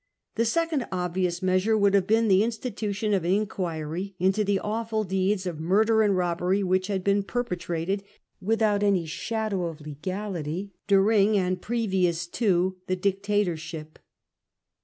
The second obvious measure would have been the institution of an inquiry into the awful deeds of murder and robbery which had been perpetrated, without any shadow of legality, during and previous to the dictatorship.